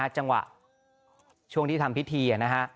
จังหวะช่วงที่ทำพิธีนะฮะ